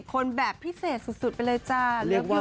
คนแบบพิเศษสุดไปเลยจ้า